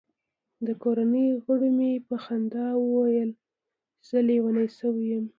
د کورنۍ غړو مې په خندا ویل چې زه لیونی شوی یم.